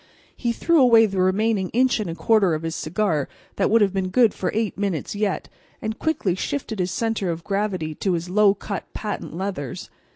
He threw away the remaining inch and a quarter of his cigar, that would have been good for eight minutes yet, and quickly shifted his center of gravity to his low cut patent leathers.